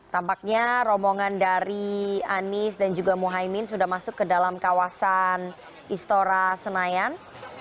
tampaknya rombongan dari anies dan juga muhaymin sudah masuk ke dalam kawasan istora senayan